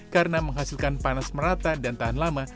karena menghasilkan panas merata dan tahan lama